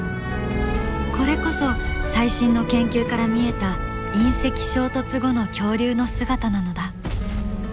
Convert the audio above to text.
これこそ最新の研究から見えた隕石衝突後の恐竜の姿なのだ。